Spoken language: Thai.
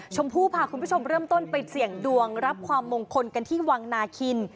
ชมพู่พาคุณผู้ชมเริ่มต้นไปเสี่ยงดวงรับความมงคลกันที่วังนาคิน